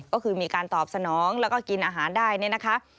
ก็คือมีการตอบสนองแล้วก็กินอาหารได้เนี่ยนะคะ